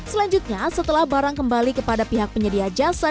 selanjutnya setelah barang kembali kepada pihak penyedia jasa